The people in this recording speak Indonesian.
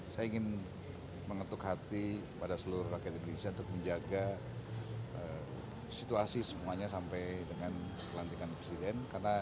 saya ingin mengetuk hati pada seluruh rakyat indonesia untuk menjaga situasi semuanya sampai dengan pelantikan presiden